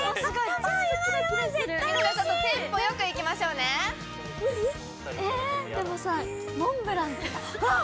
絶対おいしいテンポよくいきましょうねえでもさモンブランってあっ！